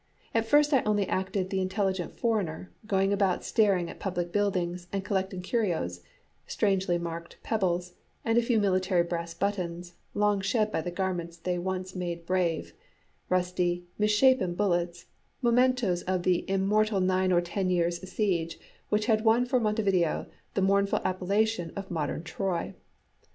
At first I only acted the intelligent foreigner, going about staring at the public buildings, and collecting curios strangely marked pebbles, and a few military brass buttons, long shed by the garments they once made brave; rusty, misshapen bullets, mementoes of the immortal nine or ten years' siege which had won for Montevideo the mournful appellation of modern Troy.